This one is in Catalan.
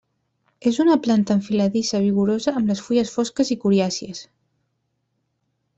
És una planta enfiladissa vigorosa amb les fulles fosques i coriàcies.